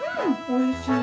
おいしい。